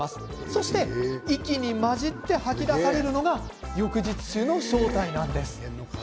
そして息に混じって吐き出されるのが翌日臭の正体なんです。